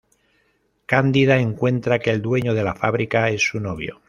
Cándida encuentra que el dueño de la fábrica es su novio.